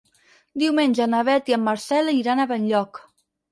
Diumenge na Beth i en Marcel iran a Benlloc.